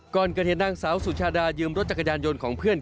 ก่อนเกิดเหตุนางสาวสุชาดายืมรถจักรยานยนต์ของเพื่อน